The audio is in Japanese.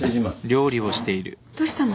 どうしたの？